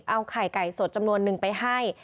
เอาไข่ไก่สดจำนวนนึงไปให้